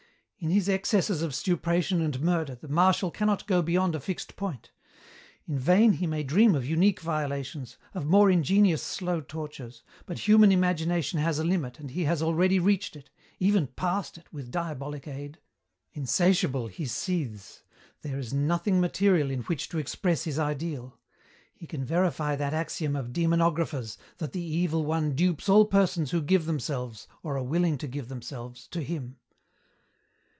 In his excesses of stupration and murder the Marshal cannot go beyond a fixed point. In vain he may dream of unique violations, of more ingenious slow tortures, but human imagination has a limit and he has already reached it even passed it, with diabolic aid. Insatiable he seethes there is nothing material in which to express his ideal. He can verify that axiom of demonographers, that the Evil One dupes all persons who give themselves, or are willing to give themselves, to him.